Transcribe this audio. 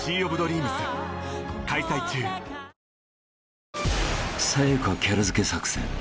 あ［さや香キャラ付け作戦